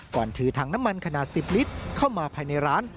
ถือถังน้ำมันขนาด๑๐ลิตรเข้ามาภายในร้าน